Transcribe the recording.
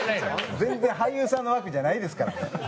全然俳優さんの枠じゃないですからね。